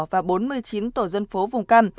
và bốn mươi chín tổ dân phố vùng cam